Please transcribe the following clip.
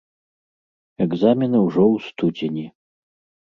Экзамены ўжо ў студзені.